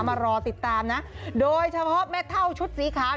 มารอติดตามนะโดยเฉพาะแม่เท่าชุดสีขาว